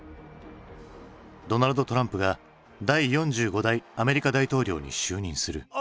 ドナルド・トランプが第４５代アメリカ大統領に就任する。